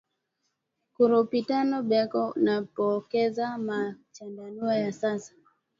Kulupitalo beko napokeza ma chandarua ya sasa